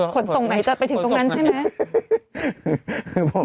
ขนส่งไหนจะไปถึงตรงนั้นใช่ไหม